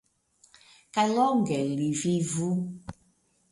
kaj longe li vivu!